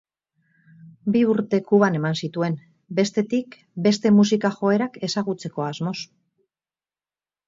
Bi urte Kuban eman zituen, bestetik, beste musika-joerak ezagutzeko asmoz.